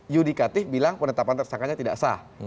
yudikatif bilang penetapan tersangkanya tidak sah